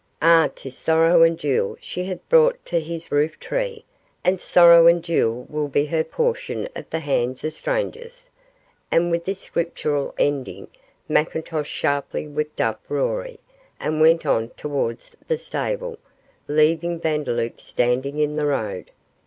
Ah, 'tis sorrow and dule she hath brought tae his roof tree, an' sorrow and dule wull be her portion at the hands o' strangers,' and with this scriptural ending Mr McIntosh sharply whipped up Rory, and went on towards the stable, leaving Vandeloup standing in the road.